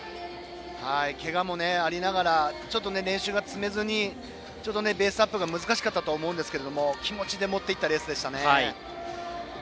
けがもありながら練習が積めずにペースアップが難しかったと思うんですが気持ちで持っていったレースでした。